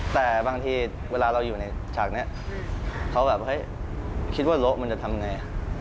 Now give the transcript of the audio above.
แต่บางทีเวลาเราอยู่ในฉากนี้เขาแบบเฮ้ยคิดว่าโละมันจะทำไง